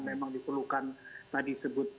memang diperlukan tadi sebut